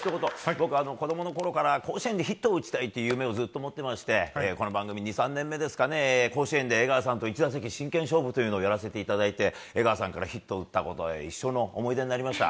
僕、子供のころから甲子園でヒットを打ちたいっていう夢をずっと持ってましてこの番組２３年目ですかね甲子園で江川さんと１打席真剣勝負というのをやらせていただいて江川さんからヒットを打ったことは一生の思い出になりました。